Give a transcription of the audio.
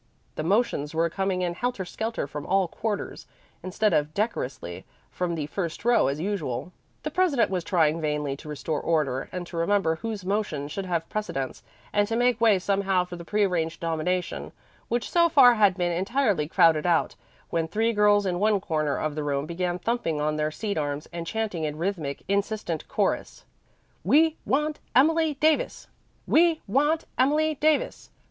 The motions were coming in helter skelter from all quarters, instead of decorously from the front row as usual. The president was trying vainly to restore order and to remember whose motion should have precedence, and to make way somehow for the prearranged nomination, which so far had been entirely crowded out, when three girls in one corner of the room began thumping on their seat arms and chanting in rhythmic, insistent chorus, "We want Emily Davis. We want Emily Davis.